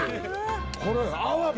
これアワビ？